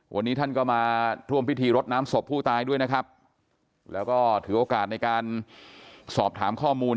วันนี้ท่านก็มาร่วมพิธีรดน้ำศพผู้ตายด้วยนะครับแล้วก็ถือโอกาสในการสอบถามข้อมูล